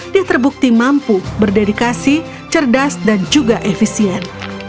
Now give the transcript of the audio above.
dia terbukti mampu berdedikasi cerdas dan juga efisien